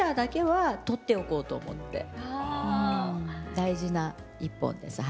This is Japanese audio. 大事な一本です。